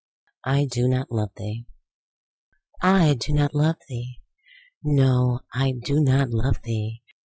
I do not love Thee I DO not love thee!—no! I do not love thee!